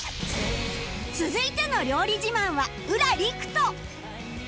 続いての料理自慢は浦陸斗